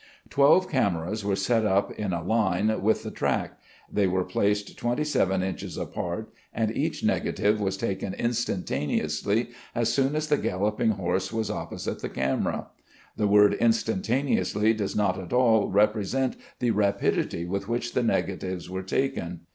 Twelve cameras were set up in a line with the track; they were placed twenty seven inches apart, and each negative was taken instantaneously as soon as the galloping horse was opposite the camera. The word "instantaneously" does not at all represent the rapidity with which the negatives were taken.